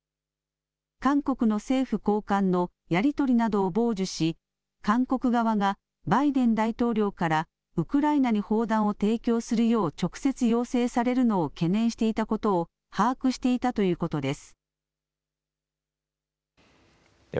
韓国の政府高官のやり取りなどを傍受し韓国側がバイデン大統領からウクライナに砲弾を提供するよう直接要請されるのを懸念していたことを把握していたということです。